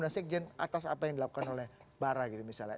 nasional atas apa yang dilakukan oleh barra gitu misalnya